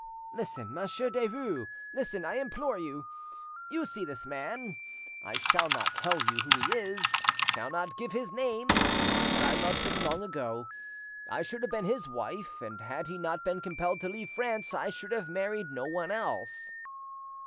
Listen, Monsieur Derues, listen, I implore you! You see this man, I shall not tell you who he is, I shall not give his name ... but I loved him long ago; I should have been his wife, and had he not been compelled to leave France, I should have married no one else.